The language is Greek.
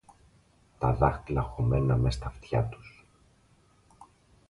τα δάχτυλα χωμένα μες στ' αυτιά τους